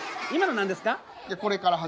今の何ですか？